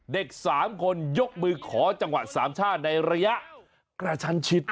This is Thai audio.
เด็ก๓คนยกมือขอจังหวัดสามชาติในระยะกระชันชิด